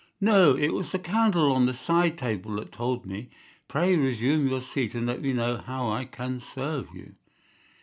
"No, it was the candle on the side table that told me. Pray resume your seat and let me know how I can serve you."